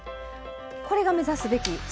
これが目指すべき。